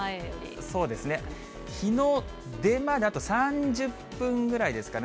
日の出まであと３０分ぐらいですかね。